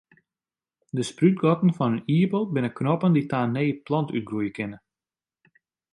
De sprútgatten fan in ierappel binne knoppen dy't ta in nije plant útgroeie kinne.